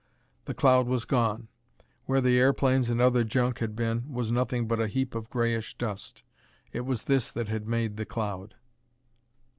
The cloud was gone. Where the airplanes and other junk had been, was nothing but a heap of grayish dust. It was this that had made the cloud.